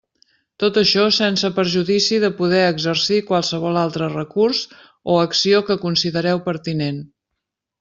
Tot això sense perjudici de poder exercir qualsevol altre recurs o acció que considereu pertinent.